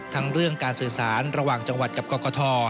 ทั้งเรื่องการสื่อสารระหว่างจังหวัดกับกรกฐ